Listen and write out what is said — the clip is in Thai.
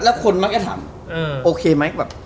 แล้วคนมันน่าจะถามโอเคไหม